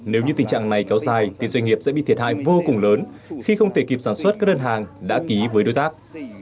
nếu như tình trạng này kéo dài thì doanh nghiệp sẽ bị thiệt hại vô cùng lớn khi không thể kịp sản xuất các đơn hàng đã ký với đối tác